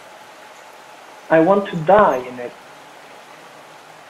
I want to die in it.